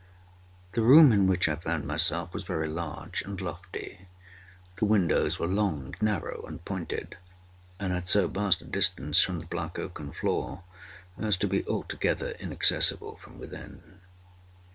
The room in which I found myself was very large and lofty. The windows were long, narrow, and pointed, and at so vast a distance from the black oaken floor as to be altogether inaccessible from within.